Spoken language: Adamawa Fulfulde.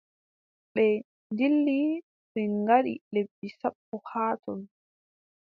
Ɓe ndilli, ɓe ngaɗi lebbi sappo haa ton.